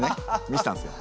見せたんですよ。